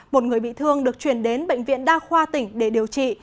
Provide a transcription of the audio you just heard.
một người bị thương được chuyển đến bệnh viện đa khoa tỉnh để điều trị